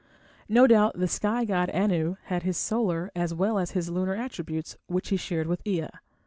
No doubt the sky god Anu had his solar as well as his lunar attributes, which he shared with Ea.